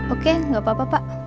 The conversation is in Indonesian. oke gak apa apa pak